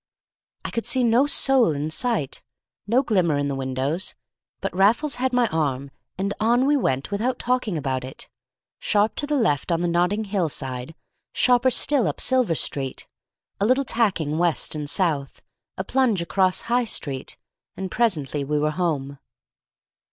I could see no soul in sight, no glimmer in the windows. But Raffles had my arm, and on we went without talking about it. Sharp to the left on the Notting Hill side, sharper still up Silver Street, a little tacking west and south, a plunge across High Street, and presently we were home.